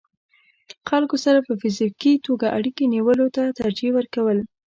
خلکو سره په فزيکي توګه اړيکې نيولو ته ترجيح ورکول